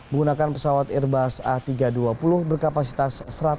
menggunakan pesawat airbus a tiga ratus dua puluh berkapasitas satu ratus enam puluh